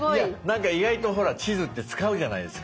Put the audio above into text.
なんか意外とほら地図って使うじゃないですか。